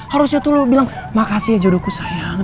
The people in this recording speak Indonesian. harusnya tuh lo bilang makasih aja jodohku sayang